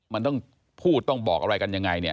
มันต้องพูดต้องบอกอะไรกันยังไงเนี่ย